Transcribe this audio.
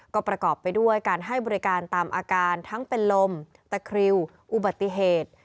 ก็ประกอบไปด้วยการให้บริการตามอาการทั้งเป็นลมตะคริวอุบัติเหตุ